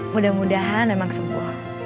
mudah mudahan emang sembuh